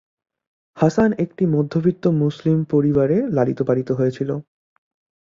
হাসান একটি মধ্যবিত্ত মুসলিম পরিবারে লালিত-পালিত হয়েছিল।